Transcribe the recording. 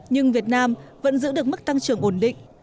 nhưng việt nam vẫn giữ được mức tăng trưởng ổn định